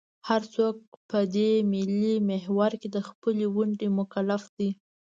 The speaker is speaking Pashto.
هر څوک په دې ملي محور کې د خپلې ونډې مکلف دی.